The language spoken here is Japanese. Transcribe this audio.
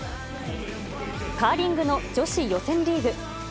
カーリングの女子予選リーグ。